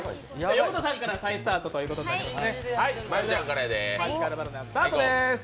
横田さんから再スタートということになります。